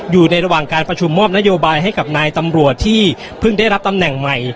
อยู่ในระหว่างการประชุมมอบนโยบายให้กับนายตำรวจที่เพิ่งได้รับตำแหน่งใหม่